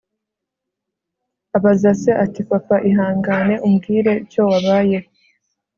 abaza se ati papa, ihangane umbwire icyo wabaye